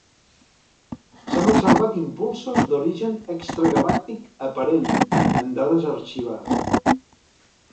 S'han observat impulsos d'origen extragalàctic aparent en dades arxivades.